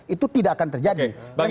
itu tidak akan terjadi